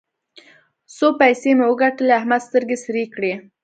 څو پيسې مې وګټلې؛ احمد سترګې سرې کړې.